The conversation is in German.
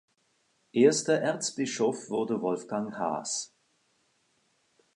Erster Erzbischof wurde Wolfgang Haas.